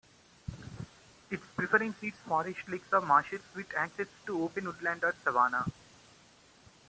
Its preference is forest lakes or marshes with access to open woodland or savanna.